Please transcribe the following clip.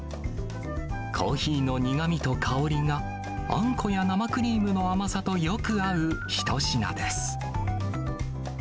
コーヒーの苦みと香りが、あんこや生クリームの甘さとよく合う一品です。